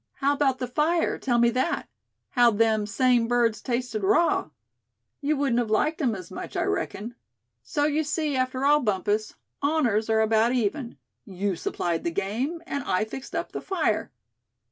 "How about the fire, tell me that? How'd them same birds tasted raw? You wouldn't have liked 'em as much, I reckon. So, you see, after all, Bumpus, honors are about even; you supplied the game, and I fixed up the fire.